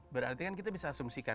berarti kan kita bisa asumsikan